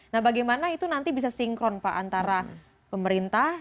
nah bagaimana itu nanti bisa sinkron pak antara pemerintah